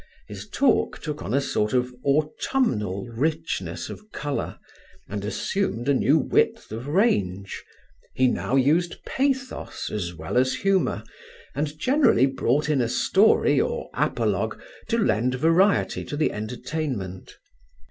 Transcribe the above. His talk took on a sort of autumnal richness of colour, and assumed a new width of range; he now used pathos as well as humour and generally brought in a story or apologue to lend variety to the entertainment.